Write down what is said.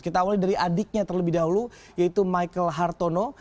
kita awali dari adiknya terlebih dahulu yaitu michael hartono